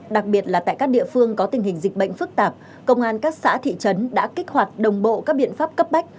đặc biệt là tại các địa phương có tình hình dịch bệnh phức tạp công an các xã thị trấn đã kích hoạt đồng bộ các biện pháp cấp bách